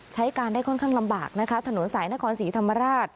ใช้การได้ค่อนข้างลำบากนะคะถนนสายนครศรีธรรมราช